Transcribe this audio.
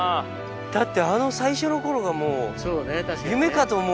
だってあの最初の頃がもう夢かと思うくらい。